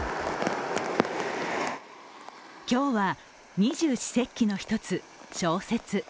今日は二十四節気の一つ、小雪。